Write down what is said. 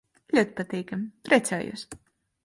Ļoti patīkami. Priecājos.